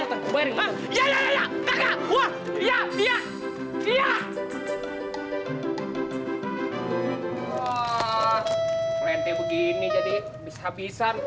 kayak begini jadi habis habisan